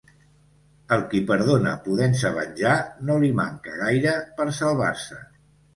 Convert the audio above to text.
Al qui perdona podent-se venjar, no li manca gaire per salvar-se.